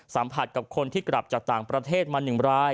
สัมผัสกับคนที่กลับจากต่างประเทศมา๑ราย